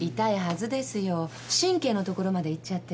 神経のところまでいっちゃってる。